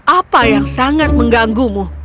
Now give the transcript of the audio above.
apa yang sangat mengganggumu